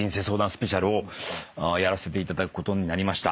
スペシャルをやらせていただくことになりました。